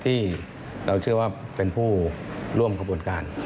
ที่เราเชื่อว่าเป็นผู้ร่วมขบวนการ